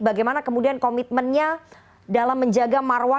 bagaimana kemudian komitmennya dalam menjaga marwah